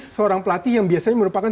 seorang pelatih yang biasanya merupakan